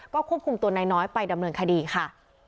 ก็ควบคุมตัวนายน้อยไปดำเนินคดีค่ะ